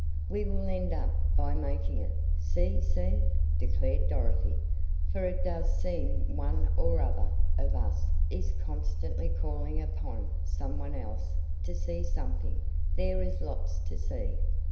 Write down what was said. "We will end up by making it 'See See,'" declared Dorothy, "for it does seem one or other of us is constantly calling upon some one else to see something there is lots to see."